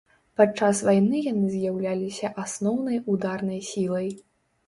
Падчас вайны яны з'яўляліся асноўнай ударнай сілай.